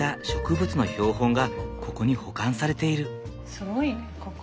すごいねここ。